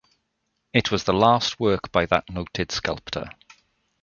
It was the last work by that noted sculptor.